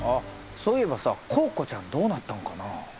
そういえばさコウコちゃんどうなったんかなあ。